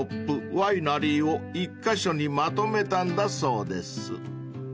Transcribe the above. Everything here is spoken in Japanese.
ワイナリーを１カ所にまとめたんだそうです］